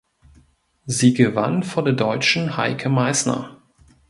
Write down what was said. Sie gewann vor der Deutschen Heike Meißner.